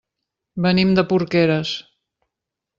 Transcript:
Venim de Porqueres.